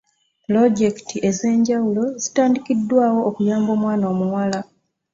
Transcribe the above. Pulojekiti ez'enjawulo zitandikiddwawo okuyamba omwana omuwala.